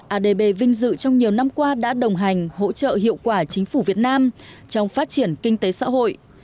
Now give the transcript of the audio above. adb vinh dự trong nhiều năm qua đã đồng hành hỗ trợ hiệu quả chính phủ việt nam trong phát triển kinh tế xã hội